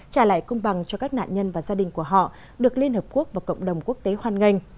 trả lại công bằng cho các nạn nhân và gia đình của họ được liên hợp quốc và cộng đồng quốc tế hoan nghênh